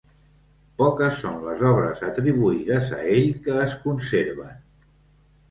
Poques són les obres atribuïdes a ell que es conserven.